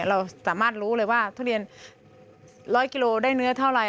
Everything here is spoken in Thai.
เราสามารถรู้เลยว่าทุเรียน๑๐๐กิโลได้เนื้อเท่าไร